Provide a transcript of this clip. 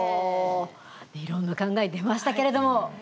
いろんな考え出ましたけれども答えは？